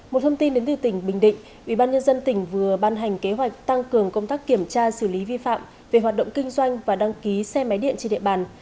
một thông tin đến từ tỉnh bình định ubnd tỉnh vừa ban hành kế hoạch tăng cường công tác kiểm tra xử lý vi phạm về hoạt động kinh doanh và đăng ký xe máy điện trên địa bàn